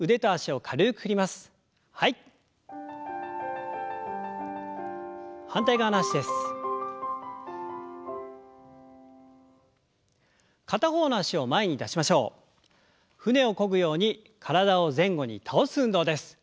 舟をこぐように体を前後に倒す運動です。